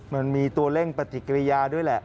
มันมีตัวเร่งปฏิกิริยาด้วยแหละ